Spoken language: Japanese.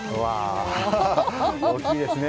大きいですね。